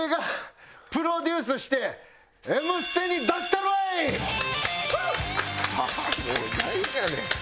もうなんやねん。